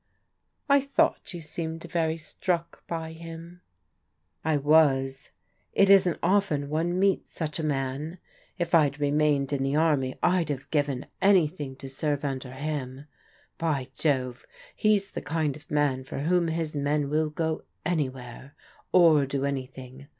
" I thought you seemed very much struck by him." " I was. It isn't often one meets such a man. If I'd remained in the army I'd have given anything to serve under him. By Jove, he's the kind of man for whom his men will go anywhere, or do anything.